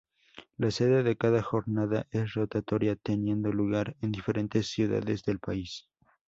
La sede de cada jornada es rotatoria teniendo lugar en diferentes ciudades del país.